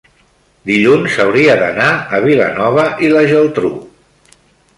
dilluns hauria d'anar a Vilanova i la Geltrú.